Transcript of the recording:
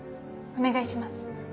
お願いします。